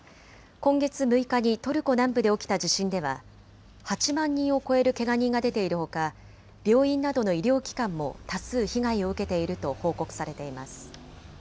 今月６日にトルコ南部で起きた地震では８万人を超えるけが人が出ているほか病院などの医療機関も多数被害を受けていると報告されています。